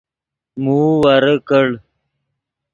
موؤ ورے کڑ